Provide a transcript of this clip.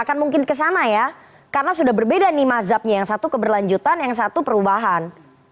akan mungkin kesana ya karena sudah berbeda nih mazhabnya yang satu keberlanjutan yang satu perubahan